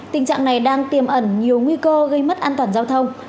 tình trạng này đang tiềm ẩn nhiều nguy cơ gây mất an toàn giao thông